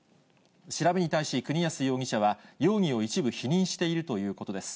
調べに対し、国安容疑者は容疑を一部否認しているということです。